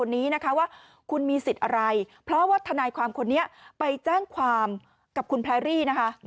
บินคุณมีสิทธิ์อะไรภาวะถนัยความคนนี้ไปแจ้งความกับคุณนะคะ